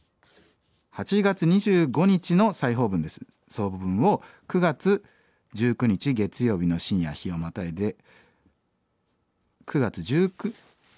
８月２５日の再放送分を９月１９日月曜日の深夜日をまたいで９月１９。